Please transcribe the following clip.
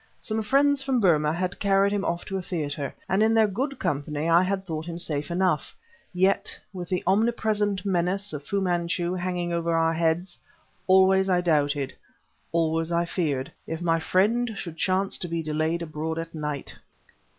Some friends from Burma had carried him off to a theater, and in their good company I had thought him safe enough; yet, with the omnipresent menace of Fu Manchu hanging over our heads, always I doubted, always I feared, if my friend should chance to be delayed abroad at night.